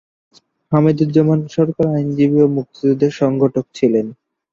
হামিদুজ্জামান সরকার আইনজীবী ও মুক্তিযুদ্ধের সংগঠক ছিলেন।